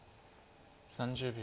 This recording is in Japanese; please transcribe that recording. ３０秒。